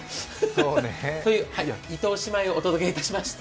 という伊藤姉妹、お届けしました。